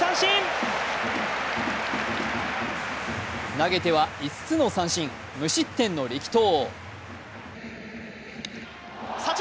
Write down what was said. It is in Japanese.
投げては５つの三振、無失点の力投。